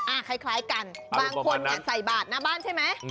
อ่าคล้ายกันบางคนใส่บาดหน้าบ้านใช่ไหม